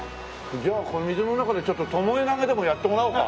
じゃあこの水の中でちょっとともえ投げでもやってもらおうか。